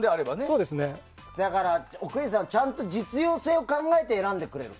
だから奥家さんはちゃんと実用性を考えて選んでくれる。